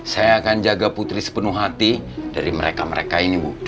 saya akan jaga putri sepenuh hati dari mereka mereka ini bu